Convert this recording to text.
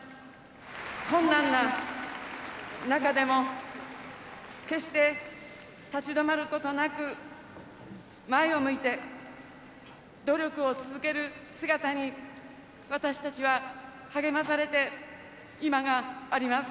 困難な中でも、決して立ち止まることなく、前を向いて努力を続ける姿に、私たちは励まされて今があります。